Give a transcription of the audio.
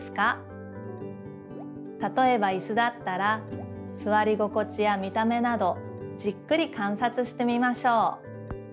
たとえばイスだったらすわり心地や見た目などじっくり観察してみましょう。